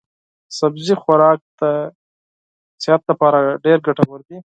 سبزي خوراک د صحت لپاره ډېر ګټور دی.